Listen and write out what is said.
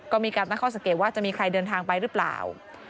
ก็มีการตั้งข้อสังเกตว่าจะมีใครเดินทางไปหรือเปล่า